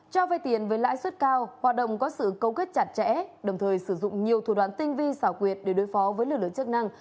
cho vay tiền với lãi suất cao hoạt động có sự câu kết chặt chẽ đồng thời sử dụng nhiều thủ đoạn tinh vi xảo quyệt để đối phó với lực lượng chức năng